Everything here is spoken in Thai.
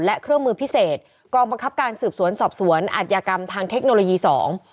และเครื่องมือพิเศษกองบังคับการสืบสวนสอบสวนอาจยากรรมทางเทคโนโลยีสอง